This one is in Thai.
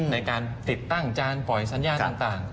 ในการติดตั้งจานปล่อยสัญญาณต่าง